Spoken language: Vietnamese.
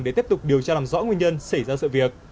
để tiếp tục điều tra làm rõ nguyên nhân xảy ra sự việc